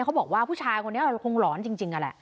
เขาบอกว่าผู้ชายคนนี้คงหลอนจริง